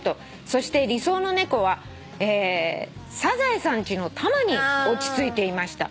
「そして理想の猫はサザエさんちのタマに落ち着いていました」